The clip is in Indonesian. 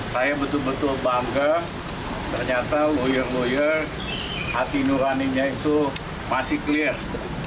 saya betul betul bangga ternyata lawyer lawyer hati nuraninya itu masih clear